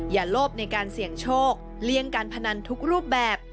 โลภในการเสี่ยงโชคเลี่ยงการพนันทุกรูปแบบ